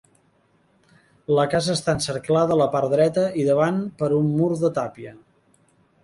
La casa està encerclada a la part dreta i davant per un mur de tàpia.